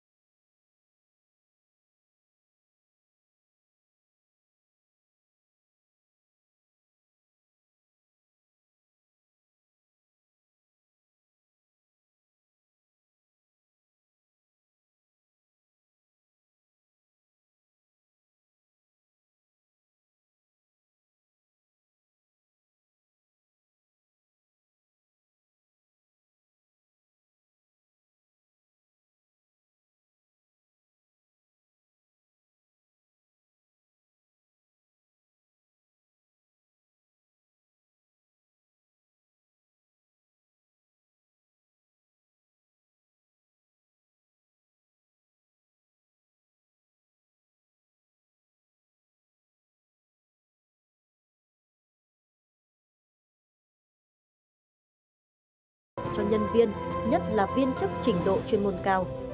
tăng lương cho nhân viên nhất là viên chức trình độ chuyên môn cao